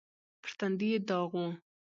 پر تندي يې داغ و.